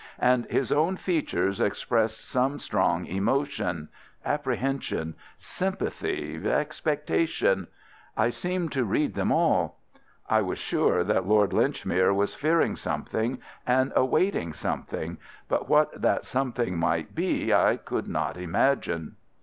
And his own features expressed some strong emotion, apprehension, sympathy, expectation: I seemed to read them all. I was sure that Lord Linchmere was fearing something and awaiting something, but what that something might be I could not imagine.